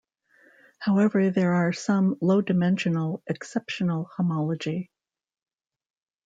However, there are some low-dimensional exceptional homology.